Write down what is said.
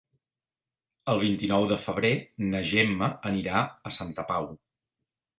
El vint-i-nou de febrer na Gemma anirà a Santa Pau.